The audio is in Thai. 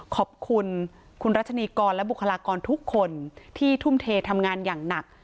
ขอบคุณคุณรัชนีกรและบุคลากรทุกคนที่ทุ่มเททำงานอย่างหนัก